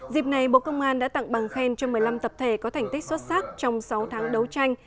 dịp này bộ công an đã tặng bằng khen cho một mươi năm tập thể có thành tích xuất sắc trong sáu tháng đấu tranh